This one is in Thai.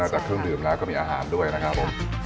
จากเครื่องดื่มแล้วก็มีอาหารด้วยนะครับผม